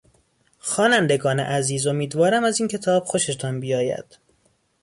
خوانندگان عزیز امیدوارم از این کتاب خوشتان بیاید.